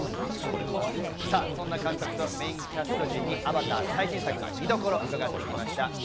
そんな監督とメインキャスト陣に『アバター』最新作の見どころを伺ってきました。